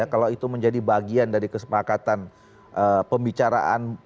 kalau itu menjadi bagian dari kesepakatan pembicaraan